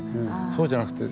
そうじゃなくて。